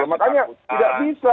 makanya tidak bisa